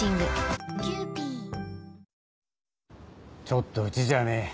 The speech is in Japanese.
ちょっとうちじゃね。